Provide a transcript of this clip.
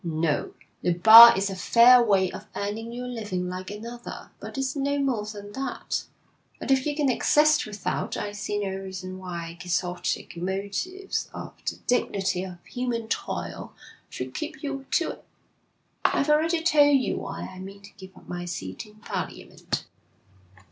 No, the bar is a fair way of earning your living like another, but it's no more than that; and, if you can exist without, I see no reason why Quixotic motives of the dignity of human toil should keep you to it. I've already told you why I mean to give up my seat in Parliament.'